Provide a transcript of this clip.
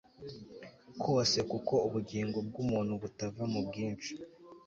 kose kuko ubugingo bw umuntu butava mu bwinshi